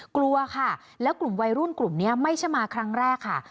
กลัวค่ะแล้วกลุ่มวัยรุ่นกลุ่มนี้ไม่ใช่มาครั้งแรกค่ะ